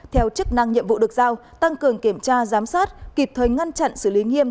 theo chức năng nhiệm vụ được giao tăng cường kiểm tra giám sát kịp thời ngăn chặn xử lý nghiêm